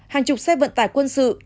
hàng chục xe vận tải quân sự